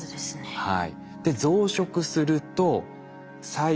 はい。